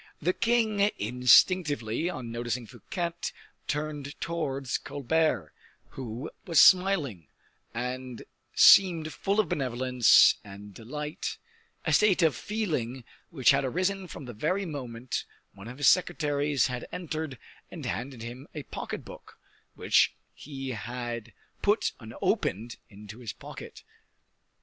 The king, instinctively, on noticing Fouquet, turned towards Colbert, who was smiling, and seemed full of benevolence and delight, a state of feeling which had arisen from the very moment one of his secretaries had entered and handed him a pocket book, which he had put unopened into his pocket.